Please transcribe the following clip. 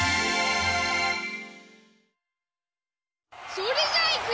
それじゃあいくよ！